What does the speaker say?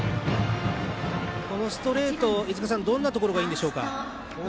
このストレートどんなところがいいんでしょうか。